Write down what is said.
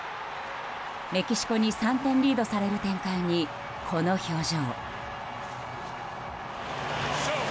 メキシコに３点リードされる展開に、この表情。